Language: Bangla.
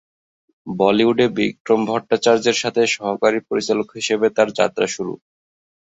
বলিউডে বিক্রম ভট্টাচার্যের সাথে সহকারী পরিচালক হিসেবে তার যাত্রা শুরু।